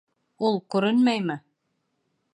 «Ул» күренмәйме?